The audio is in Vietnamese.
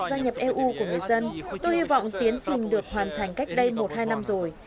gia nhập eu của người dân tôi hy vọng tiến trình được hoàn thành cách đây một hai năm rồi